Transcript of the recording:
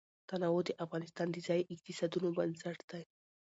تنوع د افغانستان د ځایي اقتصادونو بنسټ دی.